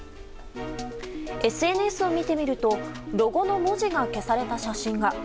ＳＮＳを見てみるとロゴの文字が消された写真が。